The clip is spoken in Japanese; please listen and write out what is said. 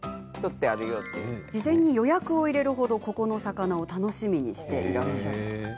事前に予約を入れるほどここの魚を楽しみにしているんだとか。